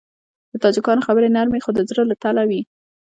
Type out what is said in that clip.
د تاجکانو خبرې نرمې خو د زړه له تله وي.